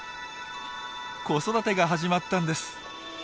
子育てが始まったんです。